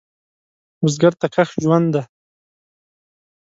بزګر ته کښت ژوند دی